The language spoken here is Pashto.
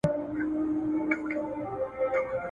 طبیب غوښي وې د چرګ ور فرمایلي